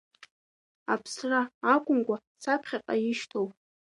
Аԥсра акәымкәа саԥхьаҟа ишьҭоу…